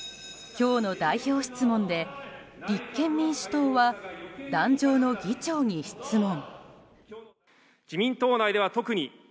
今日の代表質問で立憲民主党は壇上の議長に質問。